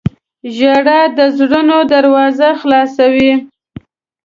• ژړا د زړونو دروازه خلاصوي.